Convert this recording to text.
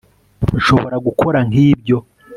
nshobora gukora nk'ibyo